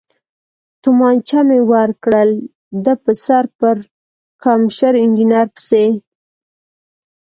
تومانچه مې ورکړل، دی په سر پړکمشر انجنیر پسې.